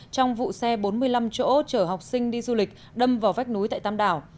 trong vụ xe bốn mươi năm chỗ chở học sinh đi du lịch đâm vào vách núi tại tam đảo